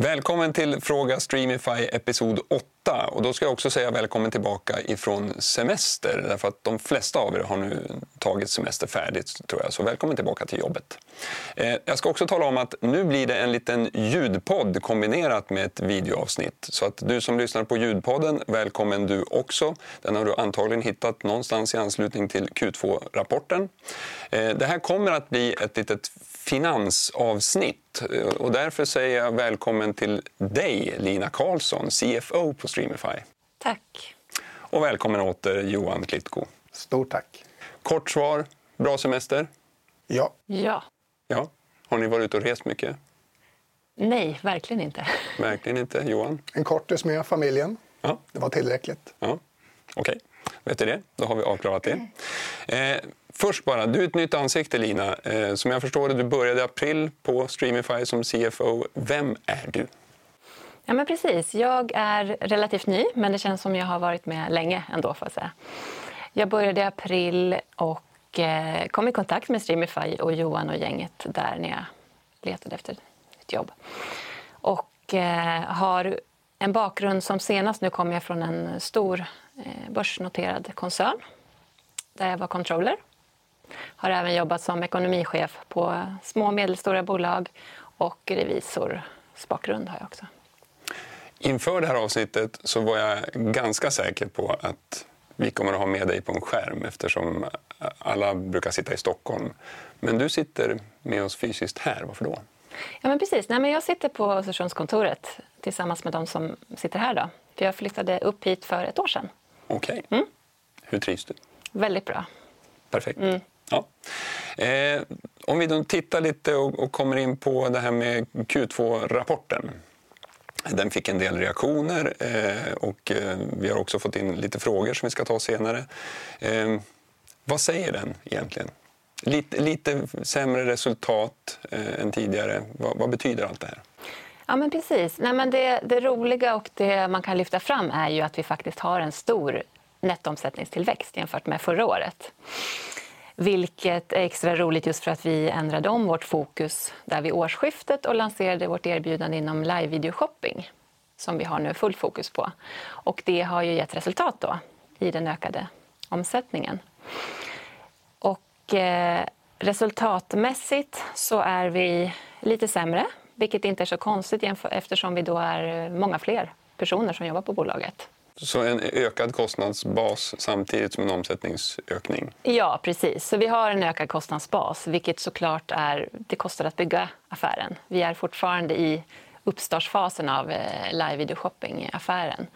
Välkommen till Fråga Streamify episod åtta och då ska jag också säga välkommen tillbaka ifrån semester. Därför att de flesta av er har nu tagit semester färdigt tror jag. Välkommen tillbaka till jobbet. Jag ska också tala om att nu blir det en liten ljudpodd kombinerat med ett videoavsnitt. Så att du som lyssnar på ljudpodden, välkommen du också. Den har du antagligen hittat någonstans i anslutning till Q2-rapporten. Det här kommer att bli ett litet finansavsnitt och därför säger jag välkommen till dig, Lina Karlsson, CFO på Streamify. Tack. Välkommen åter Johan Klitkou. Stort tack. Kort svar. Bra semester? Ja. Ja. Ja. Har ni varit ute och rest mycket? Nej, verkligen inte. Verkligen inte. Johan? En kort resa med familjen. Det var tillräckligt. Ja, okej. Då vet vi det. Då har vi avklarat det. Först bara, du är ett nytt ansikte, Lina. Som jag förstår det, du började i april på Streamify som CFO. Vem är du? Ja men precis, jag är relativt ny, men det känns som jag har varit med länge ändå får jag säga. Jag började i april och kom i kontakt med Streamify och Johan och gänget där när jag letade efter ett jobb. Har en bakgrund som senast nu kommer jag från en stor börsnoterad koncern, där jag var controller. Har även jobbat som ekonomichef på små och medelstora bolag och revisorsbakgrund har jag också. Inför det här avsnittet så var jag ganska säker på att vi kommer att ha med dig på en skärm eftersom alla brukar sitta i Stockholm. Du sitter med oss fysiskt här. Varför då? Ja men precis. Nej men jag sitter på Östersundskontoret tillsammans med de som sitter här då. Jag flyttade upp hit för ett år sedan. Okej. Hur trivs du? Väligt bra. Perfekt. Ja. Om vi då tittar lite och kommer in på det här med Q2-rapporten. Den fick en del reaktioner och vi har också fått in lite frågor som vi ska ta senare. Vad säger den egentligen? Lite sämre resultat än tidigare. Vad betyder allt det här? Ja men precis. Nej men det roliga och det man kan lyfta fram är ju att vi faktiskt har en stor nettoomsättningstillväxt jämfört med förra året. Vilket är extra roligt just för att vi ändrade om vårt fokus där vid årsskiftet och lanserade vårt erbjudande inom Live Video Shopping, som vi har nu fullt fokus på. Det har ju gett resultat då i den ökade omsättningen. Resultatmässigt så är vi lite sämre, vilket inte är så konstigt jämfört, eftersom vi då är många fler personer som jobbar på bolaget. En ökad kostnadsbas samtidigt som en omsättningsökning? Ja, precis. Vi har en ökad kostnadsbas, vilket så klart är, det kostar att bygga affären. Vi är fortfarande i uppstartsfasen av Live Video Shopping-affären.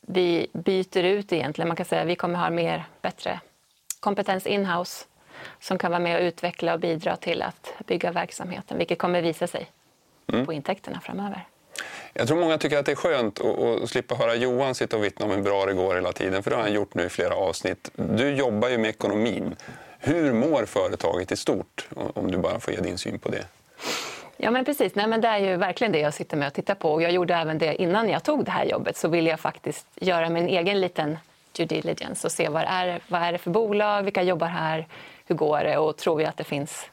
Vi byter ut egentligen, man kan säga, vi kommer ha mer bättre kompetens in-house som kan vara med och utveckla och bidra till att bygga verksamheten, vilket kommer visa sig på intäkterna framöver. Jag tror många tycker att det är skönt att slippa höra Johan sitta och vittna om hur bra det går hela tiden, för det har han gjort nu i flera avsnitt. Du jobbar ju med ekonomin. Hur mår företaget i stort om du bara får ge din syn på det? Ja men precis, nej men det är ju verkligen det jag sitter med och tittar på. Jag gjorde även det innan jag tog det här jobbet så ville jag faktiskt göra min egen liten due diligence och se vad är det för bolag, vilka jobbar här, hur går det och tror vi att det finns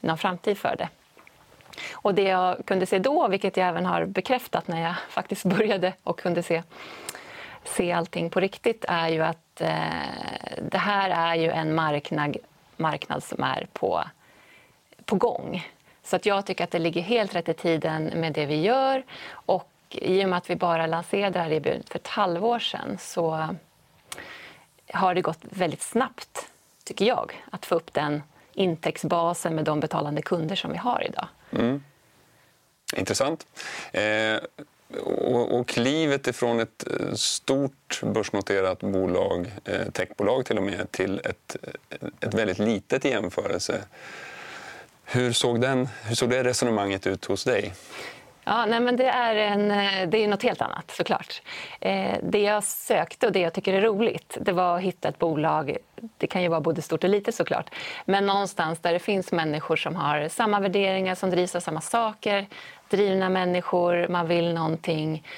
någon framtid för det. Det jag kunde se då, vilket jag även har bekräftat när jag faktiskt började och kunde se allting på riktigt, är ju att det här är ju en marknad som är på gång. Jag tycker att det ligger helt rätt i tiden med det vi gör. I och med att vi bara lanserade det här erbjudandet för ett halvår sedan så har det gått väldigt snabbt tycker jag att få upp den intäktsbasen med de betalande kunder som vi har i dag. Intressant. Och klivet ifrån ett stort börsnoterat bolag, techbolag till och med, till ett väldigt litet i jämförelse. Hur såg det resonemanget ut hos dig? Ja nej men det är en, det är ju något helt annat så klart. Det jag sökte och det jag tycker är roligt, det var att hitta ett bolag. Det kan ju vara både stort och litet så klart. Någonstans där det finns människor som har samma värderingar, som drivs av samma saker, drivna människor, man vill någonting.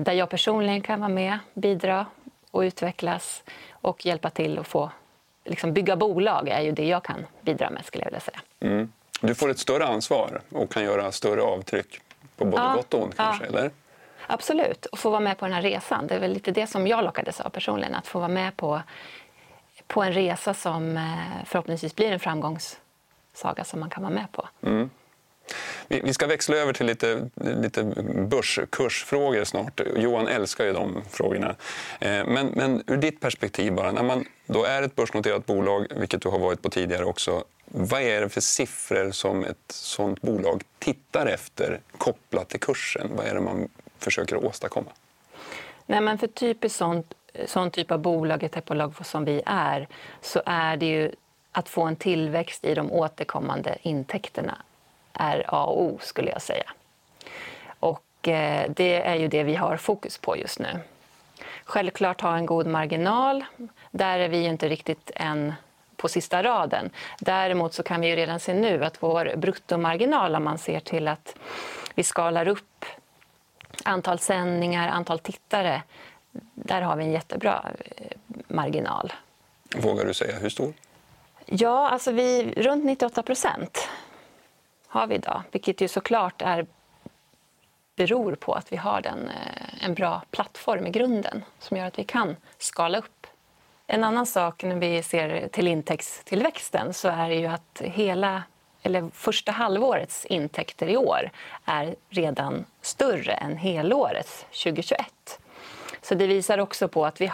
Där jag personligen kan vara med, bidra och utvecklas och hjälpa till att få, liksom bygga bolag är ju det jag kan bidra med skulle jag vilja säga. Du får ett större ansvar och kan göra större avtryck på både gott och ont kanske, eller? Absolut. Få vara med på den här resan. Det är väl lite det som jag lockades av personligen. Att få vara med på en resa som förhoppningsvis blir en framgångssaga som man kan vara med på. Vi ska växla över till lite börskursfrågor snart. Johan älskar ju de frågorna. Men ur ditt perspektiv bara, när man då är ett börsnoterat bolag, vilket du har varit på tidigare också, vad är det för siffror som ett sådant bolag tittar efter kopplat till kursen? Vad är det man försöker åstadkomma? Nej men för typiskt sådant, sån typ av bolag, ett techbolag som vi är, så är det ju att få en tillväxt i de återkommande intäkterna är A O skulle jag säga. Och det är ju det vi har fokus på just nu. Självklart ha en god marginal. Där är vi ju inte riktigt än på sista raden. Däremot så kan vi ju redan se nu att vår bruttomarginal, om man ser till att vi skalar upp antal sändningar, antal tittare. Där har vi en jättebra marginal. Vågar du säga hur stor? Alltså vi runt 98% har vi i dag, vilket ju så klart är, beror på att vi har en bra plattform i grunden som gör att vi kan skala upp. En annan sak när vi ser till intäktstillväxten så är det ju att hela eller första halvårets intäkter i år är redan större än helåret 2021. Det visar också på att vi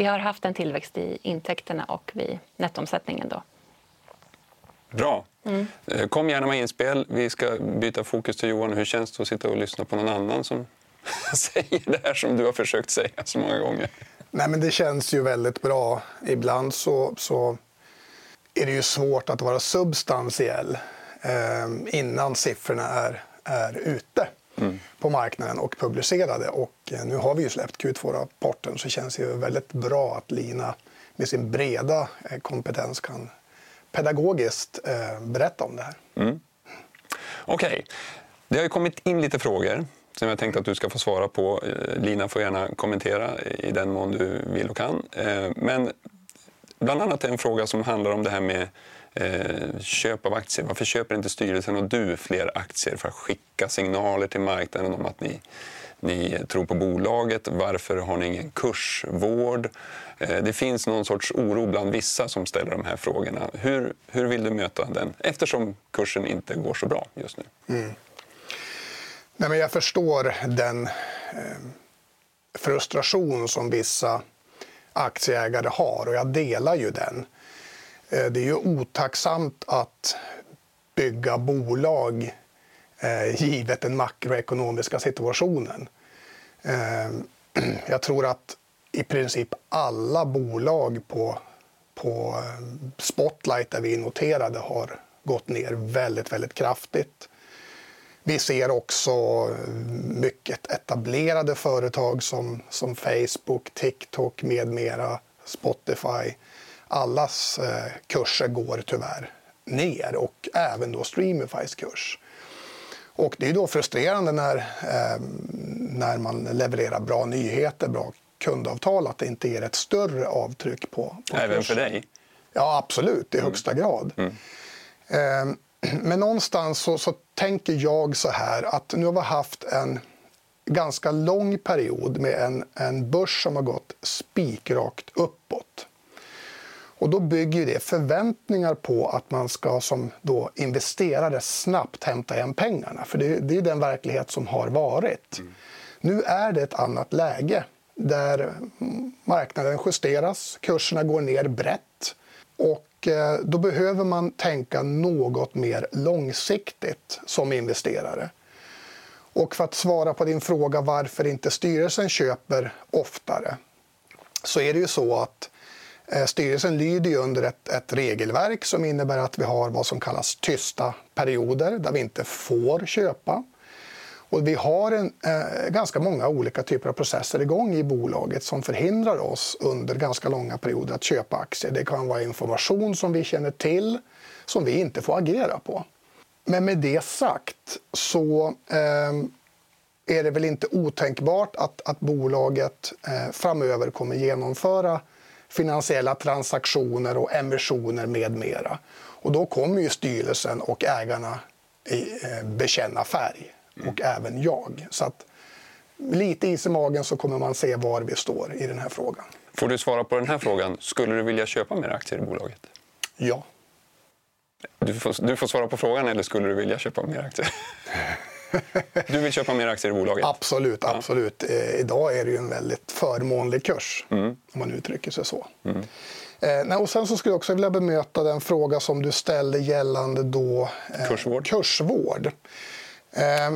har haft en tillväxt i intäkterna och i nettoomsättningen då. Bra. Kom gärna med inspel. Vi ska byta fokus till Johan. Hur känns det att sitta och lyssna på någon annan som säger det här som du har försökt säga så många gånger? Nej, men det känns ju väldigt bra. Ibland så är det ju svårt att vara substantiell innan siffrorna är ute på marknaden och publicerade. Nu har vi ju släppt Q2-rapporten så känns det ju väldigt bra att Lina med sin breda kompetens kan pedagogiskt berätta om det här. Okej, det har ju kommit in lite frågor som jag tänkte att du ska få svara på. Lina får gärna kommentera i den mån du vill och kan. Men bland annat en fråga som handlar om det här med köp av aktier. Varför köper inte styrelsen och du fler aktier för att skicka signaler till marknaden om att ni tror på bolaget? Varför har ni ingen kursvård? Det finns någon sorts oro bland vissa som ställer de här frågorna. Hur vill du möta den? Eftersom kursen inte går så bra just nu. Nej, men jag förstår den frustration som vissa aktieägare har och jag delar ju den. Det är ju otacksamt att bygga bolag givet den makroekonomiska situationen. Jag tror att i princip alla bolag på Spotlight där vi är noterade har gått ner väldigt kraftigt. Vi ser också mycket etablerade företag som Facebook, TikTok med mera, Spotify. Allas kurser går tyvärr ner och även Streamifys kurs. Det är ju då frustrerande när man levererar bra nyheter, bra kundavtal att det inte ger ett större avtryck på kursen. Även för dig? Ja, absolut, i högsta grad. Någonstans så tänker jag såhär att nu har vi haft en ganska lång period med en börs som har gått spikrakt uppåt. Då bygger ju det förväntningar på att man ska som då investerare snabbt hämta igen pengarna. För det är den verklighet som har varit. Nu är det ett annat läge där marknaden justeras, kurserna går ner brett och då behöver man tänka något mer långsiktigt som investerare. För att svara på din fråga varför inte styrelsen köper oftare, så är det ju så att styrelsen lyder ju under ett regelverk som innebär att vi har vad som kallas tysta perioder där vi inte får köpa. Vi har ganska många olika typer av processer i gång i bolaget som förhindrar oss under ganska långa perioder att köpa aktier. Det kan vara information som vi känner till som vi inte får agera på. Med det sagt så är det väl inte otänkbart att bolaget framöver kommer genomföra finansiella transaktioner och emissioner med mera. Då kommer ju styrelsen och ägarna bekänna färg och även jag. Att lite is i magen så kommer man se var vi står i den här frågan. Får du svara på den här frågan: Skulle du vilja köpa mer aktier i bolaget? Ja. Du får svara på frågan eller skulle du vilja köpa mer aktier? Du vill köpa mer aktier i bolaget? Absolut, absolut. Idag är det ju en väldigt förmånlig kurs om man uttrycker sig så. Nej, skulle jag också vilja bemöta den fråga som du ställde gällande då kursvård.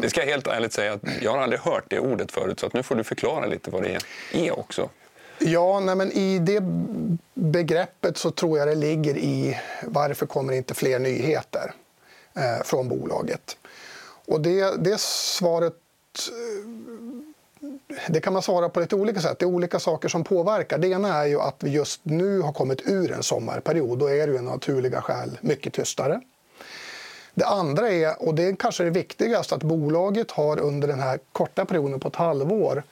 Det ska jag helt ärligt säga att jag har aldrig hört det ordet förut. Nu får du förklara lite vad det är också. Ja, nej men i det begreppet så tror jag det ligger i varför kommer inte fler nyheter från bolaget? Det svaret kan man svara på lite olika sätt. Det är olika saker som påverkar. Det ena är ju att vi just nu har kommit ur en sommarperiod. Då är det ju av naturliga skäl mycket tystare. Det andra är, och det är kanske det viktigaste, att bolaget har under den här korta perioden på ett halvår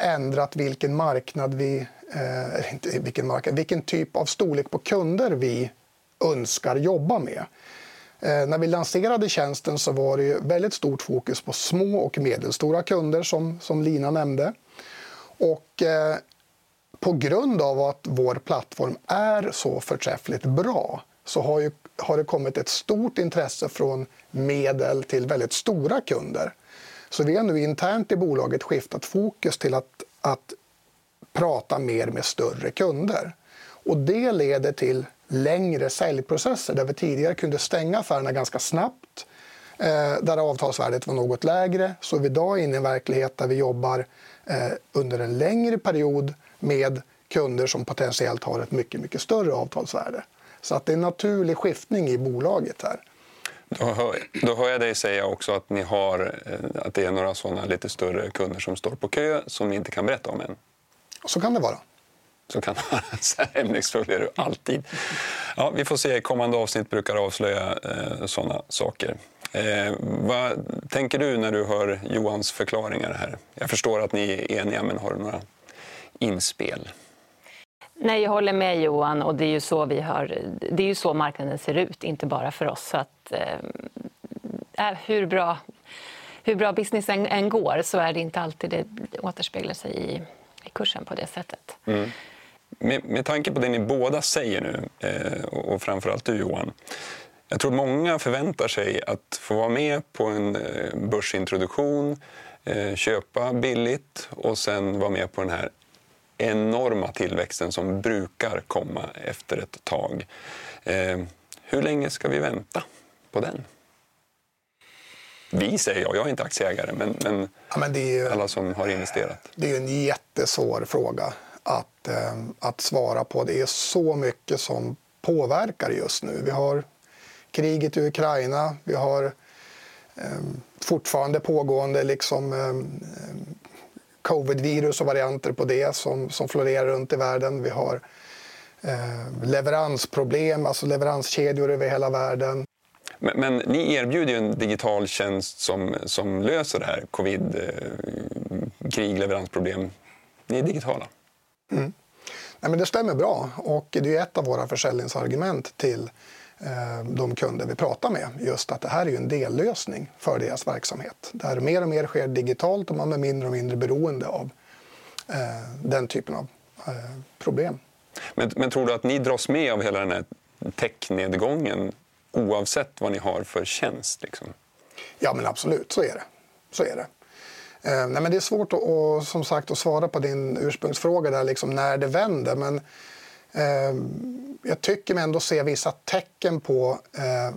ändrat vilken typ av storlek på kunder vi önskar jobba med. När vi lanserade tjänsten så var det ju väldigt stort fokus på små och medelstora kunder som Lina nämnde. På grund av att vår plattform är så förträffligt bra så har det kommit ett stort intresse från medel till väldigt stora kunder. Vi har nu internt i bolaget skiftat fokus till att prata mer med större kunder. Det leder till längre säljprocesser. Där vi tidigare kunde stänga affärerna ganska snabbt, där avtalsvärdet var något lägre. Vi i dag inne i en verklighet där vi jobbar under en längre period med kunder som potentiellt har ett mycket större avtalsvärde. Att det är en naturlig skiftning i bolaget här. Då hör jag dig säga också att ni har, att det är några sådana lite större kunder som står på kö som ni inte kan berätta om än. Kan det vara. Kan man säga, hävningsfrågor är det alltid. Ja, vi får se. Kommande avsnitt brukar avslöja sådana saker. Vad tänker du när du hör Johans förklaringar här? Jag förstår att ni är eniga, men har du några inspel? Nej, jag håller med Johan och det är ju så vi har, det är ju så marknaden ser ut, inte bara för oss. Hur bra businessen än går så är det inte alltid det återspeglar sig i kursen på det sättet. Med tanke på det ni båda säger nu och framför allt du Johan. Jag tror många förväntar sig att få vara med på en börsintroduktion, köpa billigt och sen vara med på den här enorma tillväxten som brukar komma efter ett tag. Hur länge ska vi vänta på den? Jag är inte aktieägare, men alla som har investerat. Det är en jättesvår fråga att svara på. Det är så mycket som påverkar just nu. Vi har kriget i Ukraina, vi har fortfarande pågående COVID-virus och varianter på det som florerar runt i världen. Vi har leveransproblem, alltså leveranskedjor över hela världen. Ni erbjuder en digital tjänst som löser det här. Covid, krig, leveransproblem. Ni är digitala. Nej men det stämmer bra och det är ett av våra försäljningsargument till de kunder vi pratar med. Just att det här är ju en dellösning för deras verksamhet. Där mer och mer sker digitalt och man är mindre och mindre beroende av den typen av problem. Tror du att ni dras med av hela den här tech-nedgången oavsett vad ni har för tjänst? Ja, men absolut, så är det. Nej, men det är svårt att, som sagt, svara på din ursprungsfråga där, när det vänder. Jag tycker mig ändå se vissa tecken på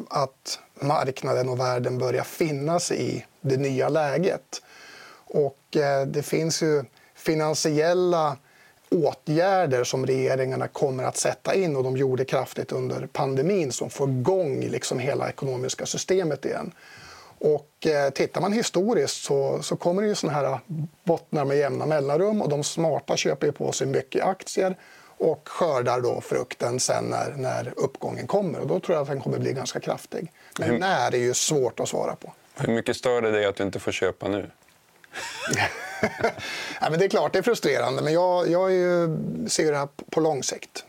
att marknaden och världen börjar vara i det nya läget. Det finns ju finansiella åtgärder som regeringarna kommer att sätta in och de gjorde kraftigt under pandemin som får igång liksom hela ekonomiska systemet igen. Tittar man historiskt så kommer ju sådana här bottnar med jämna mellanrum och de smarta köper ju på sig mycket aktier och skördar då frukten sen när uppgången kommer. Tror jag att den kommer bli ganska kraftig. När är ju svårt att svara på. Hur mycket stör det dig att du inte får köpa nu? Det är klart, det är frustrerande, men jag är ju ser det här på lång sikt.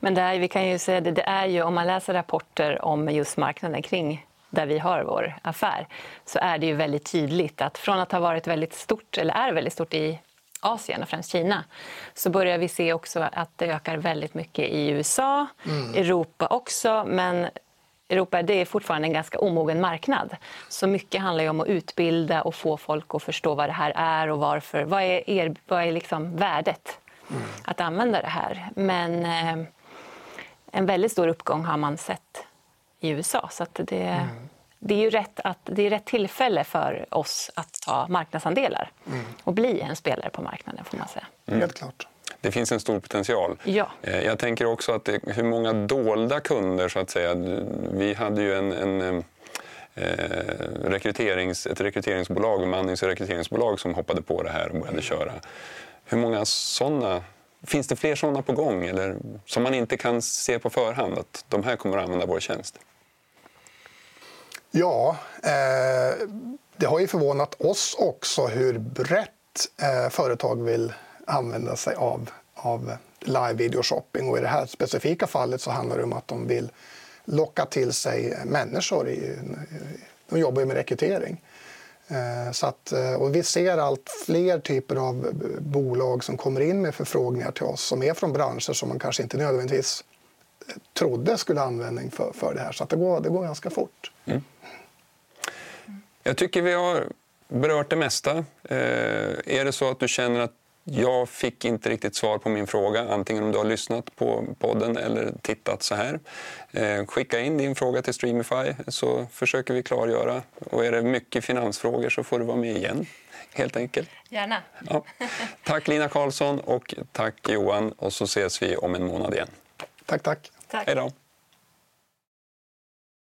Det här, vi kan ju säga, det är ju om man läser rapporter om just marknaden kring där vi har vår affär så är det ju väldigt tydligt att från att ha varit väldigt stort eller är väldigt stort i Asien och främst Kina, så börjar vi se också att det ökar väldigt mycket i USA, Europa också. Europa, det är fortfarande en ganska omogen marknad. Mycket handlar ju om att utbilda och få folk att förstå vad det här är och varför, vad det är, vad är liksom värdet att använda det här. En väldigt stor uppgång har man sett i USA. Det är rätt tillfälle för oss att ta marknadsandelar och bli en spelare på marknaden, får man säga. Helt klart. Det finns en stor potential. Ja. Jag tänker också att det, hur många dolda kunder så att säga, vi hade ju ett rekryteringsbolag, bemannings- och rekryteringsbolag som hoppade på det här och började köra. Hur många sådana? Finns det fler sådana på gång? Eller som man inte kan se på förhand att de här kommer att använda vår tjänst. Ja, det har ju förvånat oss också hur brett företag vill använda sig av Live Video Shopping. I det här specifika fallet så handlar det om att de vill locka till sig människor, de jobbar ju med rekrytering. Vi ser allt fler typer av bolag som kommer in med förfrågningar till oss som är från branscher som man kanske inte nödvändigtvis trodde skulle användning för det här. Det går ganska fort. Jag tycker vi har berört det mesta. Är det så att du känner att jag fick inte riktigt svar på min fråga? Antingen om du har lyssnat på podden eller tittat såhär. Skicka in din fråga till Streamify så försöker vi klargöra. Är det mycket finansfrågor så får du vara med igen, helt enkelt. Gärna. Tack Lina Karlsson och tack Johan och så ses vi om en månad igen. Tack, tack. Tack. Hej då.